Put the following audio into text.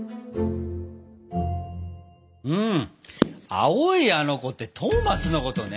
青いあの子ってトーマスのことね。